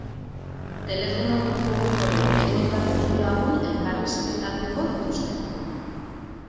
Telefono mugikorrik ez daukaten hiru lagun elkarrizketatuko dituzte.